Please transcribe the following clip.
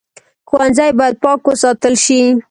ښوونځی باید پاک وساتل شي